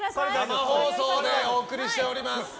生放送でお送りしております。